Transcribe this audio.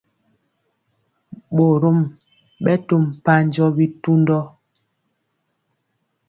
Ɓorom ɓɛ to mpanjɔ bitundɔ.